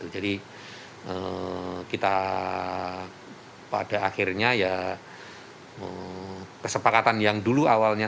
jadi kita pada akhirnya ya kesepakatan yang dulu awalnya